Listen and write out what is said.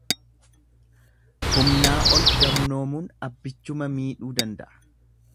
Humnaa ol gamnoomuun abbichuma miidhuu danda'a.